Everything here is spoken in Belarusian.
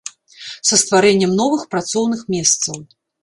Са стварэннем новых працоўных месцаў.